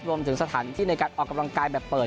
รวมถึงสถานที่ในการออกกำลังกายแบบเปิด